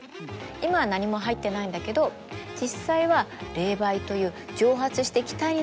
今は何も入ってないんだけど実際は冷媒という蒸発して気体になりやすい液体が入ってるの。